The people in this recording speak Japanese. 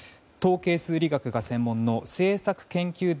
統計数理学が専門の政策研究